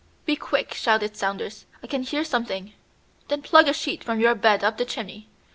"Be quick!" shouted Saunders. "I can hear something!" "Then plug a sheet from your bed up the chimney.